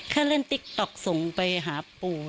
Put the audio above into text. เขาก็ไปสู่ขอ